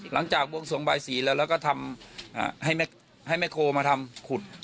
บวงสวงบายสีแล้วแล้วก็ทำให้แม่โคมาทำขุด